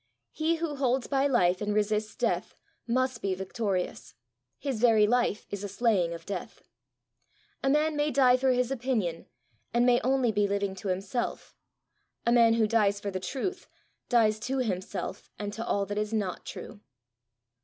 He who holds by life and resists death, must be victorious; his very life is a slaying of death. A man may die for his opinion, and may only be living to himself: a man who dies for the truth, dies to himself and to all that is not true.